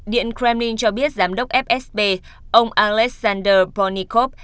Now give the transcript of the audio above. điện kremlin cho biết giám đốc fsb ông alexander ponnikov